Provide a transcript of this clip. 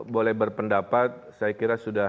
boleh berpendapat saya kira sudah